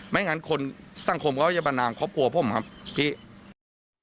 ไม่งั้นคนสังคมก็จะประนามครอบครัวผมครับพี่